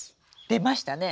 出ましたね。